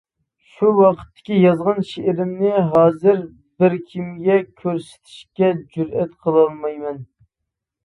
شۇ ۋاقىتتىكى يازغان شېئىرىمنى ھازىر بىركىمگە كۆرسىتىشكە جۈرئەت قىلالمايمەن.